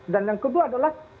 dan yang kedua adalah